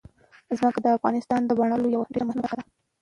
ځمکه د افغانستان د بڼوالۍ یوه ډېره مهمه برخه ده.